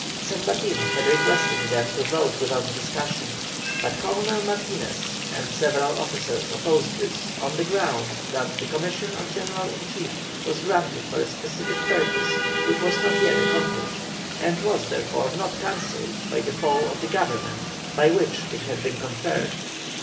San Martin had requested them to vote without discussion, but Colonel Martinez and several officers opposed this, on the ground that the commission of General in Chief was granted for a specific purpose which was not yet accomplished, and was therefore not cancelled by the fall of the Government by which it had been conferred.